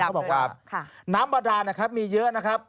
เขาบอกว่าน้ำบัดดาลมีเยอะนะครับ